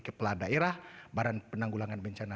kepala daerah badan penanggulangan bencana